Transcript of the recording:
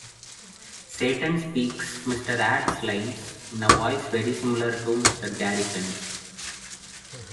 Satan speaks Mr. Hat's lines in a voice very similar to Mr. Garrison's.